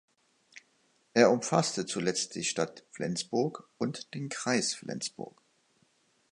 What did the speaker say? Er umfasste zuletzt die Stadt Flensburg und den Kreis Flensburg.